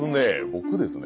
僕ですね。